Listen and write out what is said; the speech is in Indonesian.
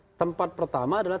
nah tempat pertama adalah